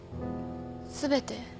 全て？